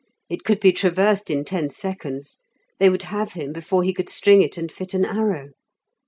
It could be traversed in ten seconds, they would have him before he could string it and fit an arrow.